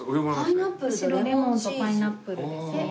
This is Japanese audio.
後ろレモンとパイナップルですね。